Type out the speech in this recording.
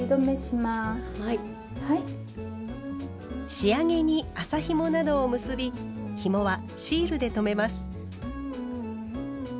仕上げに麻ひもなどを結びひもはシールで留めます。